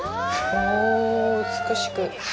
おぉ、美しく！